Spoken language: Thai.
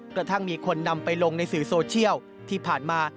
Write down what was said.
กระทั่งมีคนนำไปลงในสื่อโซเชียลที่ผ่านมา